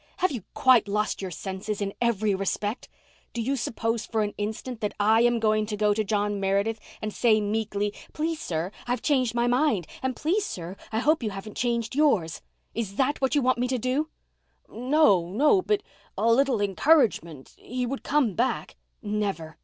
"Have you quite lost your senses in every respect? Do you suppose for an instant that I am going to go to John Meredith and say meekly, 'Please, sir, I've changed my mind and please, sir, I hope you haven't changed yours.' Is that what you want me to do?" "No—no—but a little—encouragement—he would come back—" "Never.